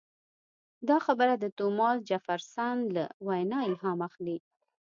دا خبره د توماس جفرسن له وینا الهام اخلي.